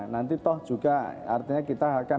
nanti toh juga artinya kita akan